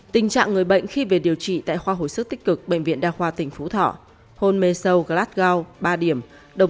tình trạng người bệnh khi về điều trị tại khoa hồi sức tích cực bệnh viện đa khoa tỉnh phú thỏ